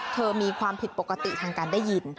เธอมีความผิดปกติทางการได้ยิน